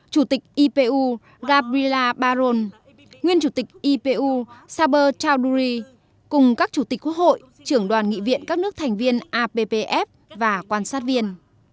chủ tịch ipu gabrila baron nguyên chủ tịch ipu sabur tanduri cùng các chủ tịch quốc hội trưởng đoàn nghị viện các nước thành viên appf và quan sát viên